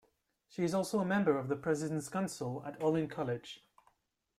She is also a member of the President's Council at Olin College.